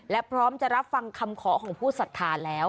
และพร้อมจะรับฟังคำขอของผู้ศรัทธาแล้ว